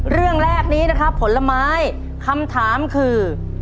เรื่องแรกนี้นะครับผลไม้คำถามคือ